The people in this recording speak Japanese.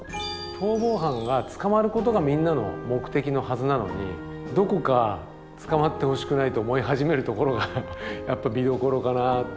逃亡犯が捕まることがみんなの目的のはずなのにどこか捕まってほしくないと思い始めるところが見どころかな。